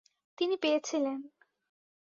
তিনি পেয়েছিলেন।